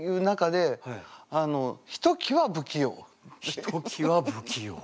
ひときわ不器用。